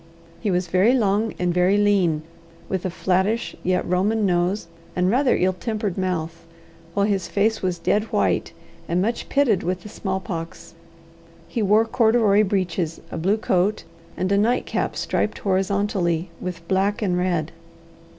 He was very long and very lean, with a flattish yet Roman nose, and rather ill tempered mouth, while his face was dead white and much pitted with the small pox. He wore corduroy breeches, a blue coat, and a nightcap striped horizontally with black and red.